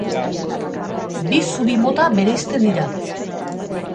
Bi zubi mota bereizten dira.